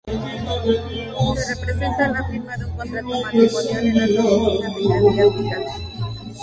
Se representa la firma de un contrato matrimonial en las oficinas eclesiásticas.